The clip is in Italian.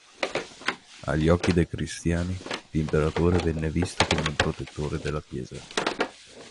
Agli occhi dei cristiani l'imperatore venne visto come un protettore della Chiesa.